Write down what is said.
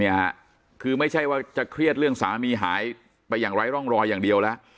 คือไม่ใช่ว่าจะเครียดเรื่องสามีหายไปอย่างไร้ร่องรอยอย่างเดียวแล้ว